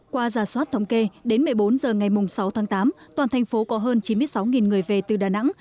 qua giả soát thống kê đến một mươi bốn h ngày sáu tháng tám toàn thành phố có hơn chín mươi sáu người về từ đà nẵng